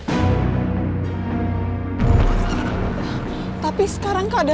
kita mau cari pos kenapa jatuh di loh